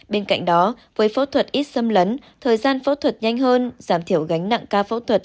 bên cạnh đó với phẫu thuật ít xâm lấn thời gian phẫu thuật nhanh hơn giảm thiểu gánh nặng ca phẫu thuật